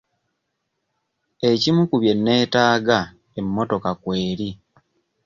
Ekimu ku bye nneetaaga emmotoka kw'eri.